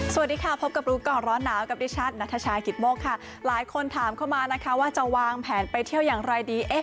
สวัสดีค่ะพบกับรู้ก่อนร้อนหนาวกับดิฉันนัทชายกิตโมกค่ะหลายคนถามเข้ามานะคะว่าจะวางแผนไปเที่ยวอย่างไรดี